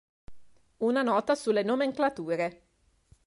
Una nota sulle nomenclature.